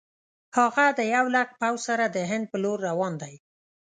هغه د یو لک پوځ سره د هند پر لور روان دی.